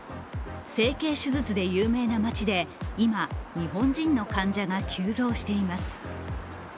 整形手術で有名な街で、今、日本人の患者が急増しています。